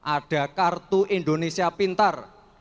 ada kartu indonesia pintar